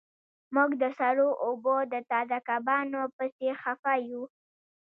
موږ د سړو اوبو د تازه کبانو پسې خفه یو